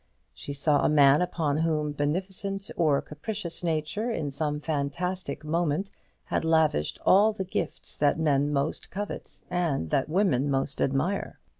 She saw a man upon whom beneficent or capricious Nature, in some fantastic moment, had lavished all the gifts that men most covet and that women most admire.